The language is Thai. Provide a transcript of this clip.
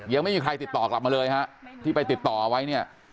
ยังไม่มีใครติดต่อกลับมาเลยฮะที่ไปติดต่อไว้เนี่ย